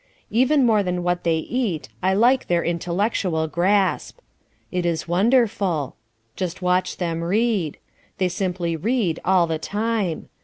Even more than what they eat I like their intellectual grasp. It is wonderful. Just watch them read. They simply read all the time.